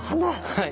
はい。